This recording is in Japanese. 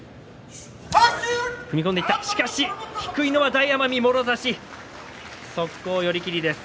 大奄美、もろ差し速攻寄り切りです。